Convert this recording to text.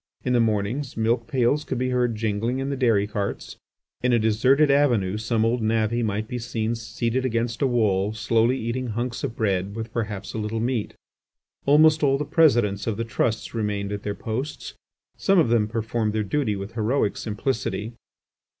In the mornings, milk pails could be heard jingling in the dairy carts. In a deserted avenue some old navvy might be seen seated against a wall slowly eating hunks of bread with perhaps a little meat. Almost all the presidents of the trusts remained at their posts. Some of them performed their duty with heroic simplicity.